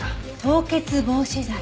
凍結防止剤。